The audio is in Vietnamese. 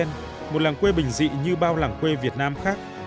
làng sen một làng quê bình dị như bao làng quê việt nam khác